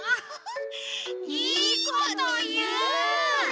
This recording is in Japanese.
いいこという！